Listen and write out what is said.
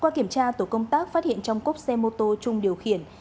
qua kiểm tra tổ công tác phát hiện trong cốc xe mô tô trung điều khiển